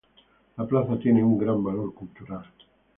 La plaza tiene un gran valor cultural.